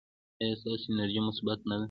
ایا ستاسو انرژي مثبت نه ده؟